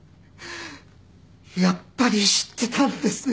やっぱり知ってたんですね。